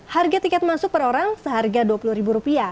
harga tiket masuk per orang seharga dua puluh rupiah